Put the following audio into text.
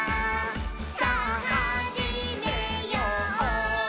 さぁはじめよう」